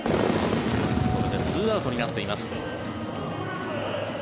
これで２アウトになっています。